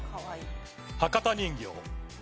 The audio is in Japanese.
博多人形。